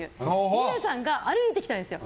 ヒデさんが歩いてきたんですよ。